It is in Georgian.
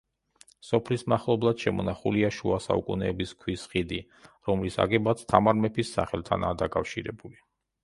სოფლის მახლობლად შემონახულია შუა საუკუნეების ქვის ხიდი, რომლის აგებაც თამარ მეფის სახელთანაა დაკავშირებული.